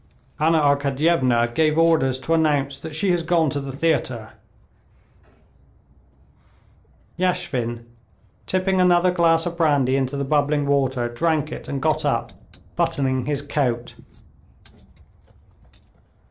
"Anna Arkadyevna gave orders to announce that she has gone to the theater." Yashvin, tipping another glass of brandy into the bubbling water, drank it and got up, buttoning his coat.